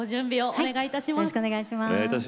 お願いいたします。